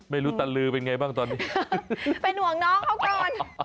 ไม่รู้เต็มลูกเป็นไงบ้างตอนนี้